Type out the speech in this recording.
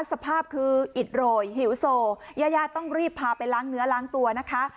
สภาพคืออิดโรยหิวโซยายาต้องรีบพาไปล้างเนื้อล้างตัวนะคะ